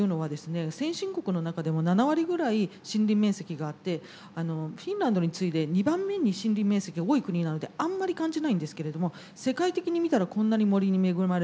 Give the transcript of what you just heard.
先進国の中でも７割ぐらい森林面積があってフィンランドに次いで２番目に森林面積が多い国なんであんまり感じないんですけれども世界的に見たらこんなに森に恵まれている国は少ないと。